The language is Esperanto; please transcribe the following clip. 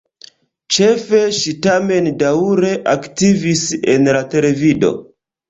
Ĉefe ŝi tamen daŭre aktivis en la televido.